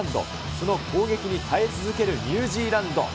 その攻撃に耐え続けるニュージーランド。